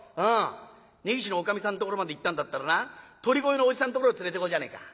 根岸のおかみさんのところまで行ったんだったらな鳥越のおじさんのところ連れていこうじゃねえか。